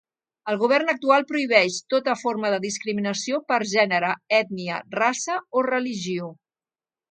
El govern actual prohibeix tota forma de discriminació per gènere, ètnia, raça o religió.